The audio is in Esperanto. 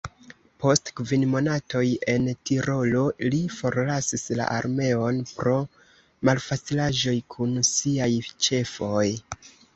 Post kvin monatoj en Tirolo li forlasis la armeon, pro malfacilaĵoj kun siaj ĉefoj.